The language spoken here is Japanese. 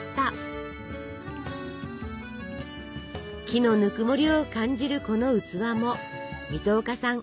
木のぬくもりを感じるこの器も水戸岡さん